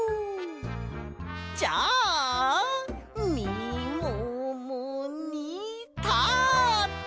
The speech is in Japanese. じゃあみももにタッチ！